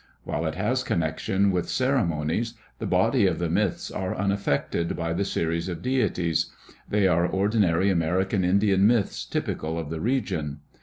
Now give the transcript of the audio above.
While it has connection with cere monies, the body of the myths are unaffected by the series of deities; they are ordinary American Indian myths typical of the region.